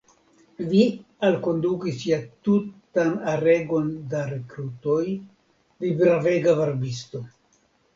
Vi alkondukis ja tutan aregon da rekrutoj, vi bravega varbisto!